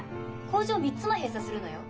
工場３つも閉鎖するのよ。